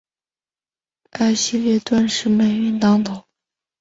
艾希莉顿时霉运当头。